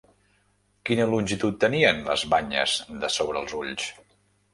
Quina longitud tenien les banyes de sobre els ulls?